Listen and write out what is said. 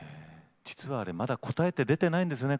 実はあれまだ答えって出てないんですよね